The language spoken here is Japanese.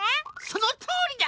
そのとおりだ。